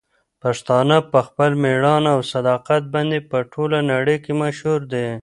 پښتانه په خپل مېړانه او صداقت باندې په ټوله نړۍ کې مشهور دي.